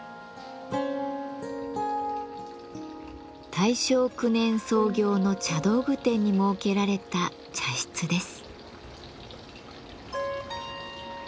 大正９年創業の茶道具店に設けられた茶室です。